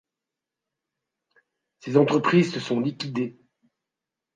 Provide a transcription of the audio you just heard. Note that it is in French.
Ces entreprises se sont liquidés.